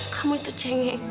kamu itu cengek